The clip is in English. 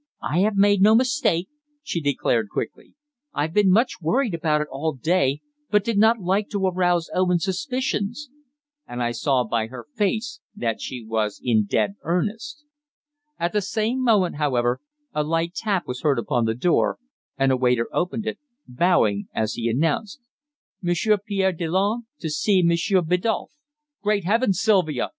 "I have made no mistake," she declared quickly. "I've been much worried about it all day, but did not like to arouse Owen's suspicions;" and I saw by her face that she was in dead earnest. At the same moment, however, a light tap was heard upon the door and a waiter opened it, bowing as he announced "Monsieur Pierre Delanne to see Monsieur Biddulph." "Great Heavens, Sylvia!"